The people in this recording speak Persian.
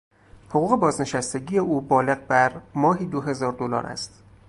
حقوق بازنشستگی او بالغ بر ماهی دو هزار دلار است.